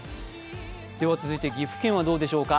続いて岐阜県はどうでしょうか。